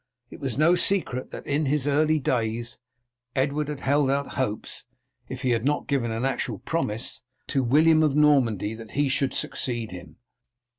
It was no secret that in his early days Edward had held out hopes, if he had not given an actual promise, to William of Normandy that he should succeed him.